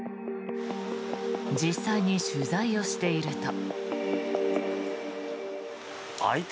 実際に取材をしていると。